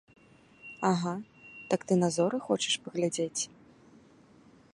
Ага, так ты на зоры хочаш паглядзець?